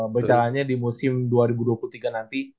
berjalannya di musim dua ribu dua puluh tiga nanti